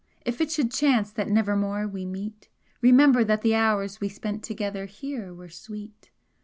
If it should chance that nevermore we meet, Remember that the hours we spent together here were sweet!